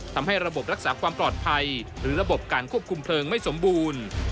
ทำให้ระบบรักษาความปลอดภัยหรือระบบการควบคุมเพลิงไม่สมบูรณ์